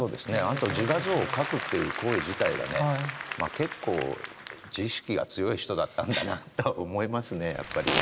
あと自画像を描くという行為自体がね結構自意識が強い人だったんだなと思いますねやっぱりね。